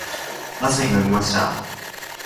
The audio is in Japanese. バスに乗りました。